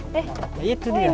sebagai umpan ikan